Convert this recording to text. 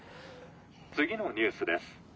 次のニュースです。